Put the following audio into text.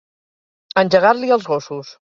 Engegar-li els gossos.